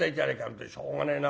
本当にしょうがねえな。